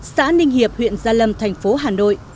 xã ninh hiệp huyện gia lâm thành phố hà nội